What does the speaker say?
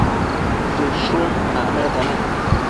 Shëshun acmete nec